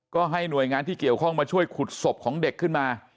ก็ให้หน่วยงานที่เกี่ยวข้องมาช่วยขุดศพของเด็กขึ้นมา